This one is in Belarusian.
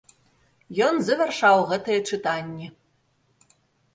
Ён завяршаў гэтыя чытанні.